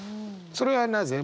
それはなぜ？